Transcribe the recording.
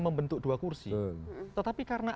membentuk dua kursi tetapi karena